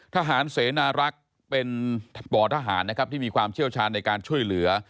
ทหารเสนารักษ์เป็นบ่อทหารนะครับที่มีความเชี่ยวชาญในการช่วยเหลือ